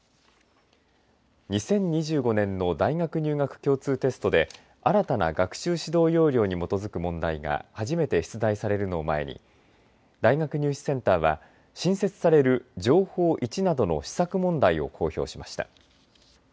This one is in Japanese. ２０２５年の大学入学共通テストで新たな学習指導要領に基づく問題が初めて出題されるのを前に大学入試センターは新設される情報１などの試作問題を公表しました。